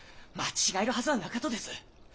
間違えるはずはなかとです！